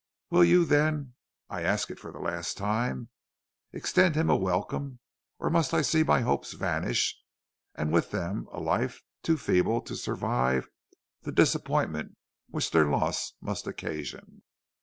Will you, then I ask it for the last time extend him a welcome, or must I see my hopes vanish, and with them a life too feeble to survive the disappointment which their loss must occasion.'